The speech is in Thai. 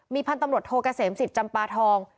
พันธุ์ตำรวจโทเกษมสิทธิ์จำปาทอง